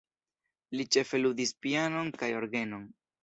Li ĉefe ludis pianon kaj orgenon.